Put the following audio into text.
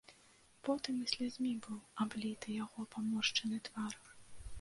Потам і слязьмі быў абліты яго паморшчаны твар.